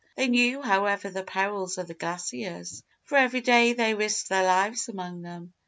They knew, however, the perils of the glaciers, for every day they risked their lives among them.